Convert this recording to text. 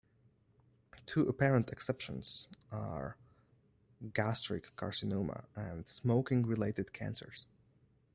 Two apparent exceptions are gastric carcinoma and smoking-related cancers.